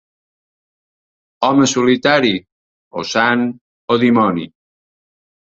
Home solitari, o sant o dimoni.